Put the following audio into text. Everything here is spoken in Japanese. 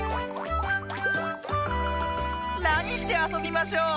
なにしてあそびましょう？